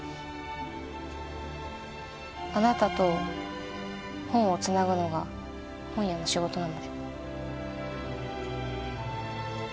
あなたと本をつなぐのが本屋の仕事なので。